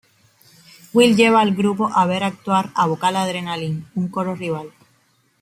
Will lleva al grupo a ver actuar a "Vocal Adrenaline", un coro rival.